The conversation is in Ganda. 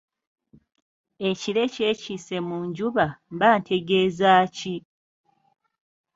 ‘Ekire kyekiise mu njuba’, mba ntegeeza ki?